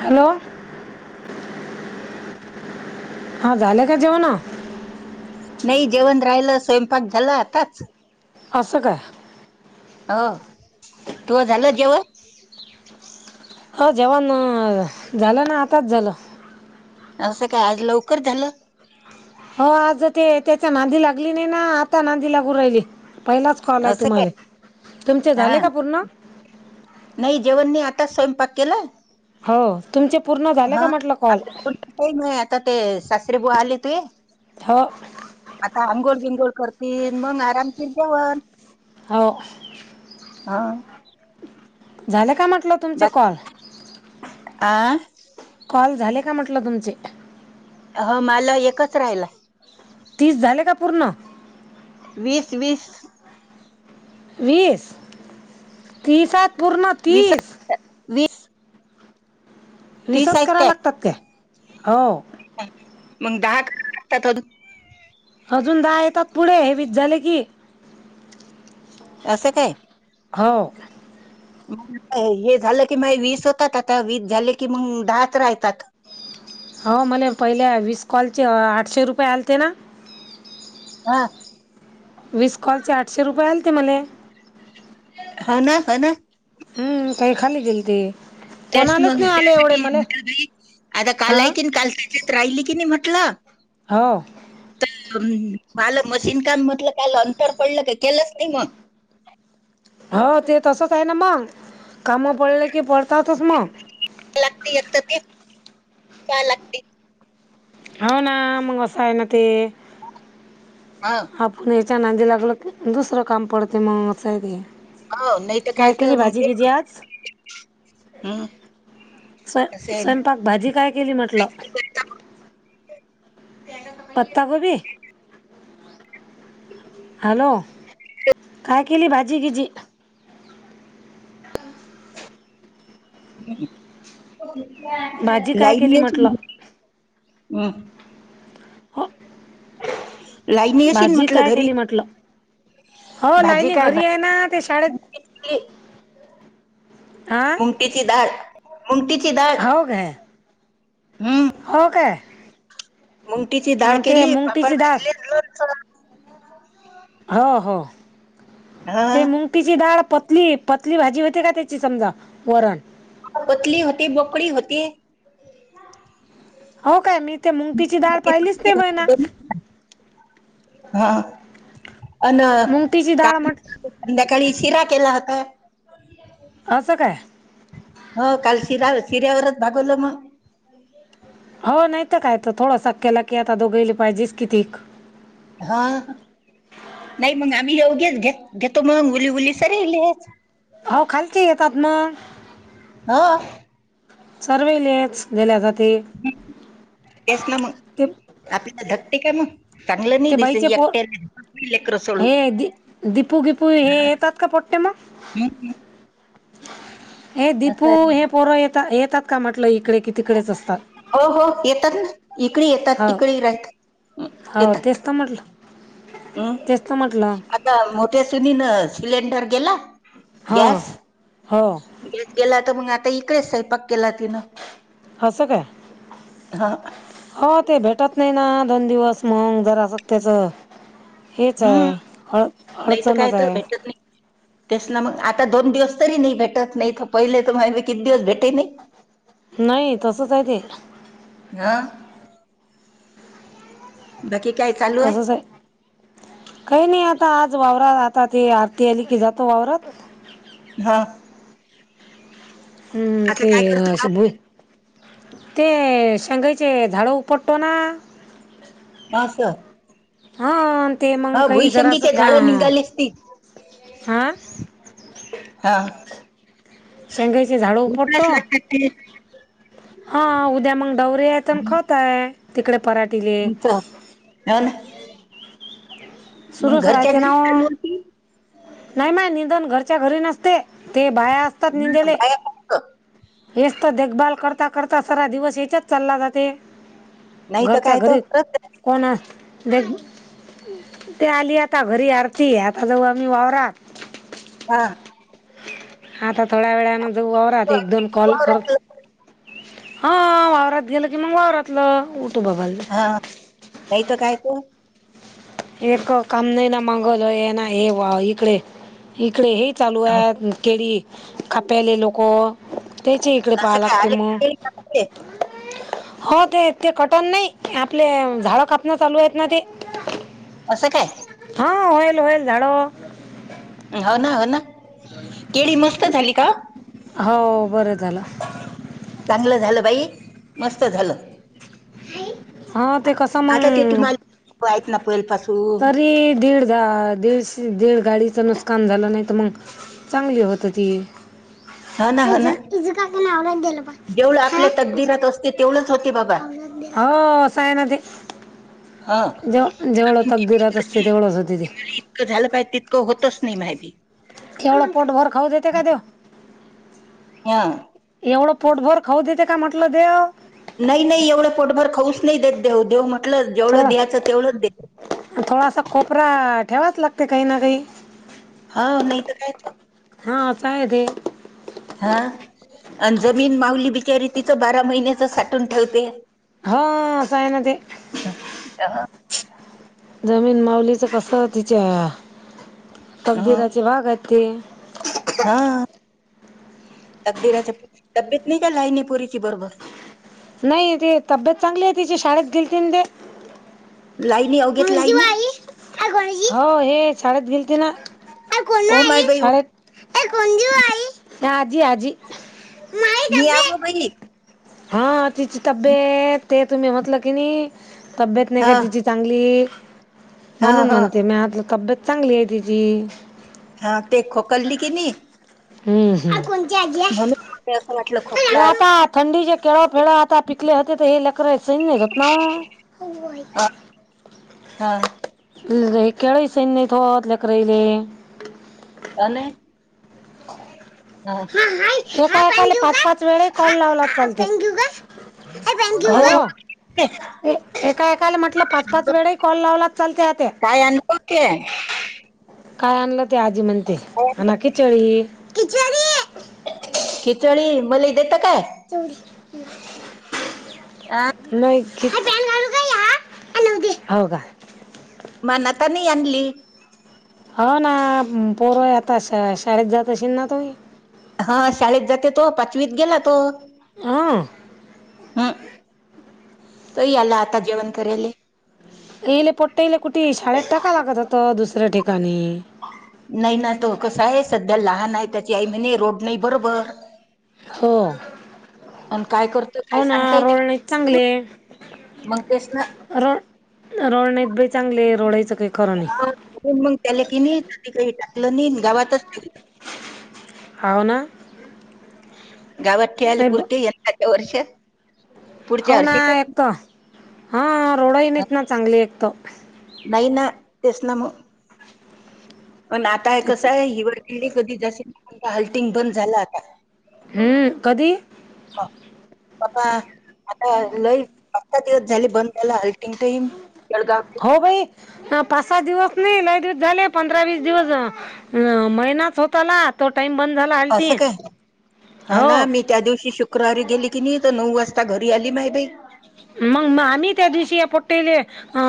Hello. [inaudible] [unintelligible] हा झाले का जेवणा. नाही जेवण राहिलं स्वयंपाक झाला आताच. अससं का. हो तू झालं जेव्हा. अ जेवण झालं ना आताच झालं. असं काय आज लवकर झालं. हो आज ते त्याच्या नांदी लागली नाही ना आता नांदी लागू राहिली. पहिलाच कॉल आहे असं काय तुम्हाला तुमचे झाले हा का पूर्ण. नाही जेवण नाही आता स्वयंपाक केला. हो तुमचे पूर्ण झाले हा का म्हटलं कॉल. आता जेवण काही नाही आता ते सासरी बू आले त हो आता आंघोळ बंगोळ कर. मग आराम कर जेवण. हो. हा. झालं का म्हटलं तुमचे बाकी कॉल. आ कॉल झाले का म्हटलं तुमचे. ह मला एकच राहिला. तीस झाले का पूर्ण. वीस वीस. वीस तसात पूर्ण वीस तीस. वीस. तीस रिसर्च आहेत कराला काय लागतात का हो. मग दहा त लागतात हो. अजून द येतात पुढे हेवीत झाले की. असं काय. हो. मग हे झालं की वीस होतात आता वीस झाले की मग दहाच राहतात. हो मला पहिल्या विसकॉलचे आठशे रुपये आलते ना. व. विीस कॉलचे आठशे रुपये आले ते मला. हा ना हा ना. हम्म काही खाली गेलती. त्यास मग त्यासाठी म्हटई आता काल हा आहे की काल त्याच्यात राहिली की नाही म्ह. हो. आलं मशीन काम म्हटलं कालं अंतर पडलं का केलंच नाही मग. हो ते तसच आहे ना मंग काम पडले की पडतातच मग. लागते एक तर ते का लागते. हो ना मग अस आहे ना ते. हा आपण याच्या नांदी लागल क दुसरं काम पडते मग. हो नाही तर काय केली तर मंग भाजी ते गिजी आज हम्. स् स्वयंपाक भाजी काय केली म्हटलं. पत्ता कोोबी. हॅलो. टाकली भाजी कि जी. भाजी [unintelligible] [inaudible] काय लाईन केली म्हटलं हम्म हो लाईन येशील भाजी म्हटलं काय घरी केली म्हटलं? हो भाजी लाईनी काय घरी भाजी आहे ना ते शाळेत मुंगटीची केली, हा मुंगटीची धाळ हो काय हं, हो काय मुंगटीची डाळ अन ते केली पापड मुंगटीची डाळ भाजली़ लोणचं हो हो ते हं, मुंगतीची डाळ पतली पतली भाजी होते का त्याची समजा वरण पतली होती बकडी होती हो काय मी ते मुंगटीची डाळ मध्ये पाहिलीच पक्की नाही बहिना होती हा. अन मुंगटीची डाळ काय म्हट संध्याकाळी शिरा केला होता असं काय? रा सिऱ्यावरच भागवलं मग हो नाही काय थोडं खक्याला की आता दोघैली पाहिजे कितीक हा नाही मग आम्ही जाऊत घेत घेतो मग मुली उली सरीली हो खालचे येतात मग हा. सर्वेलेच गेल्यासाठी ते ते ठीक काय मग चांगलं नाही ते दिस बाईचे पोर एकट्या लेकरू सोडू हे दि दीपू गिपू हे येतात का पोट्टे मग हम्म. हे असं दीपू आहे. हे पोर येत येतात का म्हटलं इकडे की तिकडेच असतात हो हो एकेतन तिकडे येतात हो तिकडे रा हो येतात तेच तर म्हटलं तेच तर म्हटलं हम्म आता मोठ्या सुनीन सिलेंडर गेला? हो गॅस हो गॅस गेला तर मग आता इकडेच प केला तिनं असं काय हा हो ते भेटत नाही ना दोन दिवस मग जरा सत्याच. हम्म नाही तर काय तर आहे भेटत नाही तेस ना मग आता दोन दिवस. तरी नाही भेटतं नाही पहिले तर मा किती दिवस भेटे नाही नाही तसंच आहे ते हा. बाकी? काय चालू आहे तसंच आहे काही नाही आता आज वावरात आता ती आरती आली की जातो वावरात हा. हम्म ते शबु ते शेगायचे झाड उपटटो ना मास हा. ते मग ह काही जरासं भुईशंगीचे का झाड निघाली असती हा हा. शेंगाईचे झाडू उपडतो उकडाच लागतात ते हा उद्या मग डवरे आहे तरण हं, खतय तिकडे पराठीले तुमचं हो ना मग सुरूच घरच्या राहते ना घरी चालू होती नाही मा निधन घरच्या घरी नसते ते बाया असतात हं, निंदेले. बाया फक्त हेच तर देखभाल करता करता सरा दिवस याच्यात चालला जाते. नाही तर घरच्या काय तर घरी खरंच कोण ते आली आता घरी आरती आता जाऊ आम्ही वावररात हा! आता थोड्या वेळान जऊ वावरात एक दोन कॉल कर वावरातलं. हा वावरात गेलं की मग वावरात. हा नाही तर काय [unintelligible] तर एक काम नाही ना मंगल हे ना हे वा इकडे. इकडे हे चालू हो. आहे केडी खप्याले लोक. त्याच्या इकडे असं पाहां काय लागते आले म. की ते हो ते ते कटण नाही आपले झाड कापणं चालू आहेत ना ती. असं काय. होईल होईल झाडो. हो ना हो ना केळी मस्त झाली हो. हो बरं झालं चांगलं झालं बाई मस्त झालं. हा ते कसं आता ते मंग तुम्हाला [unintelligible] तरी दीड जा दीडशी दीड गाडीचं नुकसान झालं नाही तर मग चांगली होत ती. हा ना हा ना जेवढं आपल्या तकदीरात [unintelligible] असते तेवढंच होते बाबा हो साय नदी हा जेव जेवढं तगदीरात असते तेवढंच होती तेी. इतकं झालं पाहिजे तितकं होतच नाही [unintelligible] केवढं पोटभर खाऊ देते का देव. हा. एवढं पोटभर खाऊ देते का म्हटलं देव. नाही नाही एवढं पोटभर खाऊ नाही देत देव देव म्हटलं जेवढं थोडा द्यायचं तेवढंच देतो. थोडासा कोपरा ठेवाच लागते काही ना काही. हा नाही तर कायच. हां अस आहे ते. हा आणि जमीन मावली बिचारी तिचं बारा महिन्याच साठून ठेवते. हो अस आहे ना ते. हा जमीन माउलीच कस तिच्या हा. तकदीराचे भाग आहेत ते, हा. तकदीराच्या तब्येत नाही का झायली पोरीची बरोबर. नाही ते तब्येत चांगली आहे तिची शाळेत गेलली न ती. लाईनी अवघेत लाईनी हो हे. शाळेत गेलती ना ओ माय बाई शाळेत त्या आजी आजी. माझी मी अगो तब्येत बाई. हा तिची तब्येत ते तुम्ही म्हटलं की नई. तब्येत नाही हा का तिची चांगली हा म्हणून हा म्हणते मी आ तब्येत चांगली आहे तची. हा ते खोकल्ली कि नी. हम्म हम् मला असं वाटलं खोकला आता थंडीचे केळ फळ आता पिकले होते तर हे लकर आहे. [unintelligible] हा, हा. सन नाही त होत लकरइले. अन? हा. एका एकाले पाच पाच वेळे कॉल लावला चालतो हो हो हॅलो. एका एकाला म्हटलं पाच पाच वेळाही कॉल लावलात चालत आत्या. काय [unintelligible] काय आणलं ते आजी [unintelligible] [unintelligible] खचळे मले आ, नाही हो का मनातानी आणली हो ना पोर आता शाळेत जातशील ना तुही हा शाळेत जाते तो पाचवीत गेला तो हा हम् तही आला आता जेवण करायले. येले पट्टईले कुठे शाळेत टाका लागत होता दुसऱ्या ठिकाणी नाही ना तो कस आहे सध्या लहान आहे त्याची आई म्हणे रोड नाही बरोबर हो आणि काय करतो हो काय ना सांगता येते रळ नाही चांगले मग तेच ना र रोड नाहीत बाई चांगले रोडय मग त्याला की नाही काही टाकलं नाही गावातच हाव ना गावात ठेळाले नाही ब- पुरते यंदाच्या वर्ष हो ना एकत हा रोडही नाहीच ना चांगली एकत नाही ना तेसलामु पण आता हे त्याच कसं आहे हिवाळली कधी जास् हल्टिंग बंद झालं आता हम्म कधी? पा बा आता लय दिवस झाले बंदला हल्टीग टाईम हो भाई पाच सात दिवस नाही लाईट झाले पंधरा वीस दिवस महिनाच होत आला टाइम बंद झाला आलती असं काय हा हो ना मी त्या दिवशी श शुक्रारी गेली की नाही तर नऊ वाजता घरी आली माय बाई मग मग आम्ही त्या दिवशी या पट्टले अ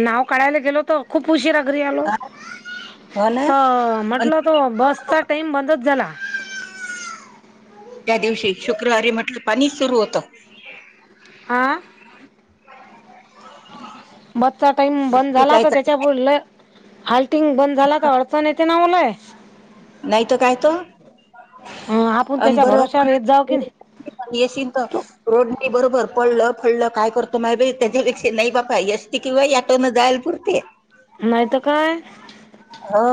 नाव काढायला गेलो होतो. खूप उशीरा घरी आलो. हा हो ना तर आणि म्हटलं तो बसचा टाइम बंदच झाला. त्या दिवशी शुक्रवारी म्हटलं पाणी सुरू होतं. हा बसचा टाईम बंद की झाला काय तर चालू त्याच्या आहे? बोल आल्टिंग बंद झाला तर अडचण येते ना ओलाय नाहीत काय त आपण अन त्याच्या बर भरोश्यावर येत जाऊ की नाही तर रोड नाही बरोबर पड फडलं काय करत मा त्याच्यापेक्षा नाही बापा यश किंवा याटोन जायल पुरते नाहीय तकाय हा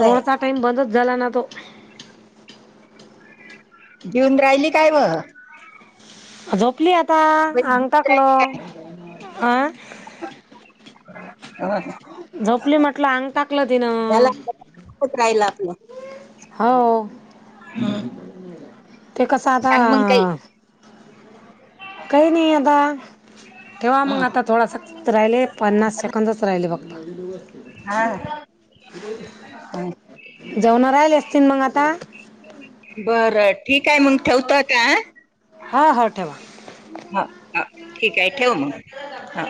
रोडचा टाईम बंदच झाला ना तो घेऊन राहिली काय म झोपली आता अंग टाकल अं [unintelligible] हो झाला झोपली म्हटलं अंग टाकलं तिनं राहिल आपलं हो हं. ते कसं आता सांग मग काही काही नाही अदा ठेवा मग हं. आता थोडा सक्त राहिले पन्नास सेकंदच राहिले बघता हा हं. जेवणा राहिल असतील मग आता बरं ठीक आहे मग ठेवतो का हा हो ठेवा हा ठीक आहे ठेव मग हां